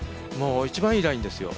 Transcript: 一番いいラインですよ。